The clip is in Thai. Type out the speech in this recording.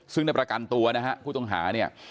ซึ่งได้ประกันตัวนะฮะผู้ต้องหาเนี่ย